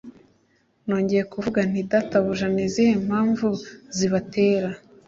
Nongeye kuvuga nti Databuja ni izihe mpamvu zibatera